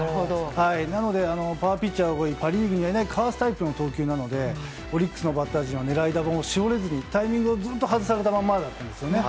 なのでパワーピッチャーはパ・リーグでかわすタイプの投球なのでオリックスのバッター陣は狙い球を絞れずにタイミングをずっと外されたままなんですね。